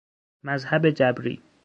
مذهب جبری